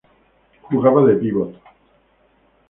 Jugaba de pívot.